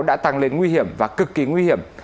đã tăng lên nguy hiểm và cực kỳ nguy hiểm